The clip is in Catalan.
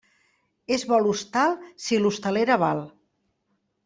És bo l'hostal si l'hostalera val.